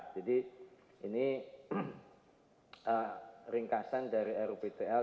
jadi ini ringkasan dari rubtl dua ribu delapan belas dua ribu dua puluh tujuh